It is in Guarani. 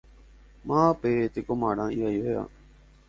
Mávapa pe tekomarã ivaivéva?